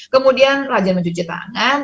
kemudian rajin mencuci tangan